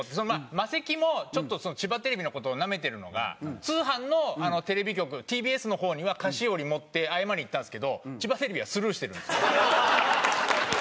マセキもちょっと千葉テレビの事をなめてるのが通販のテレビ局ＴＢＳの方には菓子折り持って謝りに行ったんですけど千葉テレビはスルーしてるんですよ。